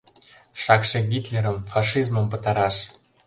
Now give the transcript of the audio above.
Шакше Гитлерым, фашизмым пытараш!